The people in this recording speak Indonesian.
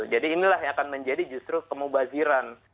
jadi inilah yang akan menjadi justru kemubaziran